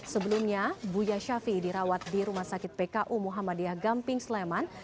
sebelumnya buya syafi dirawat di rumah sakit pku muhammadiyah gamping sleman